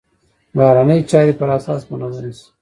بهرنۍ چارې پر اساس منظمې شي.